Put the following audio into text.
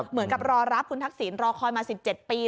เหมือนกับรอรับคุณทักษิณรอคอยมา๑๗ปี